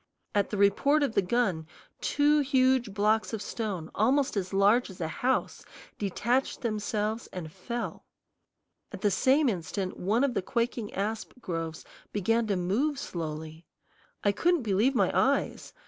At the report of the gun two huge blocks of stone almost as large as a house detached themselves and fell. At the same instant one of the quaking asp groves began to move slowly. I couldn't believe my eyes.